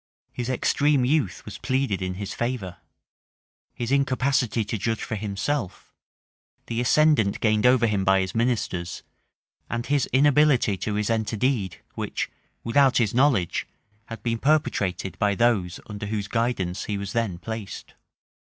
His extreme youth was pleaded in his favor; his incapacity to judge for himself; the ascendant gained over him by his ministers; and his inability to resent a deed which, without his knowledge, had been perpetrated by those under whose guidance he was then placed.